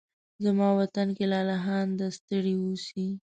زما وطن کې لالهانده ستړي اوسې